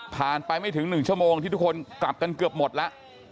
ไปไม่ถึง๑ชั่วโมงที่ทุกคนกลับกันเกือบหมดแล้ว